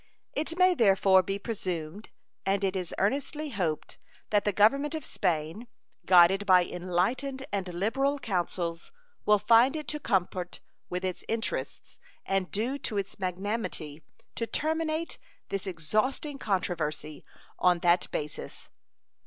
It may therefore be presumed, and it is earnestly hoped, that the Government of Spain, guided by enlightened and liberal councils, will find it to comport with its interests and due to its magnanimity to terminate this exhausting controversy on that basis.